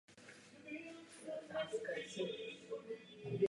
Proto potřebujeme takový druh rámcových podmínek sociálně tržního hospodářství.